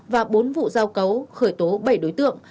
và bốn vụ giao cấu khởi tố bảy đối tượng